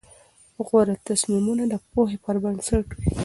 غوره تصمیمونه د پوهې پر بنسټ وي.